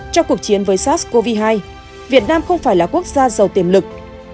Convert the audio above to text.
trong cuộc chiến với sars cov hai việt nam không phải là quốc gia giàu tiềm lực